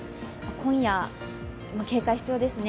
今夜、警戒が必要ですね。